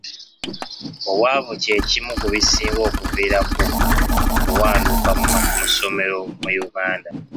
Obwavu kye kimu ku bisinga okuviirako okuwanduka mu ssomero mu Uganda.